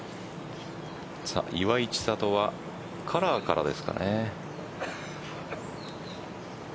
岩井千怜はカラーからですかね。